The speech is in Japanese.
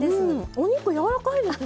お肉柔らかいですね。